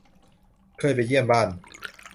เคยไปเยี่ยมบ้าน